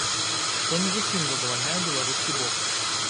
Што не зусім задавальняе беларускі бок.